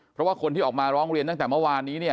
เพราะว่าคนที่ออกมาร้องเรียนตั้งแต่เมื่อวานนี้เนี่ย